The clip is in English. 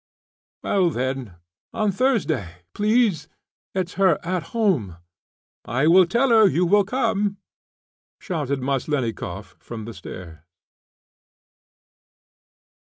"Well, then; on Thursday, please. It is her 'at home.' I will tell her you will come," shouted Maslennikoff from the stairs.